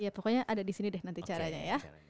pokoknya ada disini deh nanti caranya ya